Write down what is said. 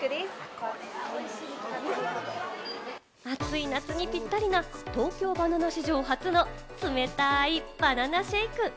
暑い夏にぴったりな、東京ばな奈史上初の冷たいバナナシェイク。